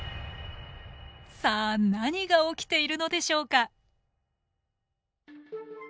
さあ何が起きているのでしょうか？